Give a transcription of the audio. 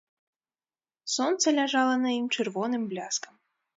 Сонца ляжала на ім чырвоным бляскам.